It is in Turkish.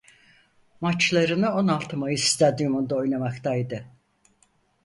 Maçlarını on altı Mayıs Stadyumu'nda oynamaktaydı.